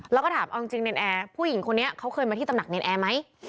แล้วก็ถามเอาจริงเนรนแอร์ผู้หญิงคนนี้เขาเคยมาที่ตำหนักเนรนแอร์ไหม